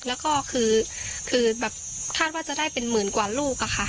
แล้วก็คือแบบคาดว่าจะได้เป็นหมื่นกว่าลูกอะค่ะ